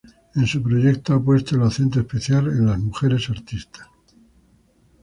En su proyecto ha puesto el acento especial en mujeres artistas.